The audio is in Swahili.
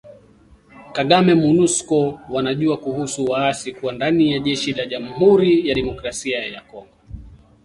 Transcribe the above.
Kagame Monusco wanajua kuhusu waasi kuwa ndani ya jeshi la Jamuhuri ya Demokrasia ya Kongo